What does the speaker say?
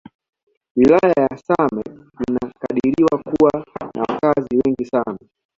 Wilaya ya Same inakadiriwa kuwa na wakazi wengi sana